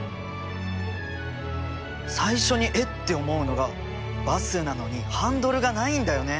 最初にえっ？って思うのがバスなのにハンドルがないんだよね。